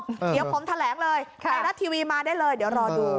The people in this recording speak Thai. เดี๋ยวผมแถลงเลยไทยรัฐทีวีมาได้เลยเดี๋ยวรอดู